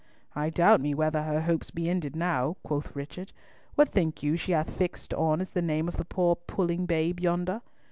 "I doubt me whether her hopes be ended now," quoth Richard. "What think you she hath fixed on as the name of the poor puling babe yonder?